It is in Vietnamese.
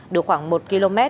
được khoảng một km